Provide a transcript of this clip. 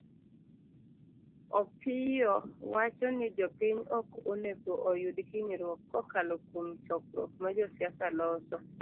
Opiyio wacho ni jopiny ok onego oyud hinyruok kokalo kuom chokruok ma josiasa loso.